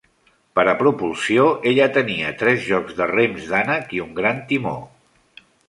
Per a propulsió, ella tenia tres jocs de rems d'ànec i un gran timó.